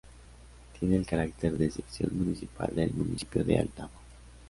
Tiene el carácter de sección municipal del municipio de Aldama.